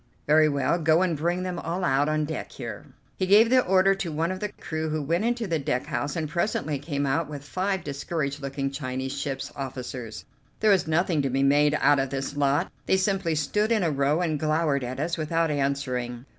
"Very well, go and bring them all out on deck here." He gave the order to one of the crew, who went into the deck house and presently came out with five discouraged looking Chinese ship's officers. There was nothing to be made out of this lot; they simply stood in a row and glowered at us without answering.